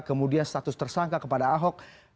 kemudian status tersangka kepada ahok